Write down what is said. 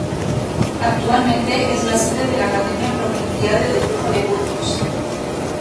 Actualmente es la sede de la Academia Provincial de Dibujo de Burgos.